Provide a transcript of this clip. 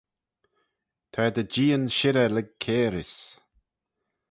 Ta dy jeean shirrey lurg cairys.